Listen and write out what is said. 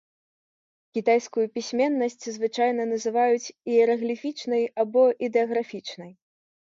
Кітайскую пісьменнасць звычайна называюць іерагліфічнай або ідэаграфічнай.